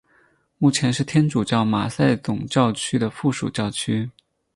目前是天主教马赛总教区的附属教区。